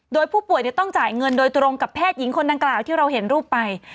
โดยผู้ป่วยต้องจ่ายเงินโดยตรงกับแพทย์หญิงคนดังกล่าวที่เราเห็นรูปไป